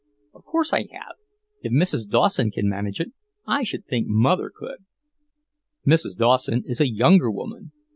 "Of course I have. If Mrs. Dawson can manage it, I should think mother could." "Mrs. Dawson is a younger woman.